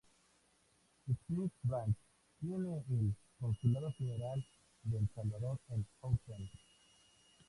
Spring Branch tiene el Consulado General de El Salvador en Houston.